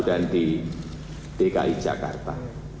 dan di dki jakarta